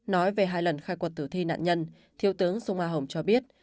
nói về hai lần khai quật tử thi nạn nhân thiếu tướng sông a hồng cho biết